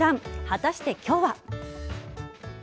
果たして今日は。